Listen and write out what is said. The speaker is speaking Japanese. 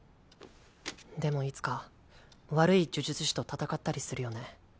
でもいつか悪い呪術師と戦ったりするよね。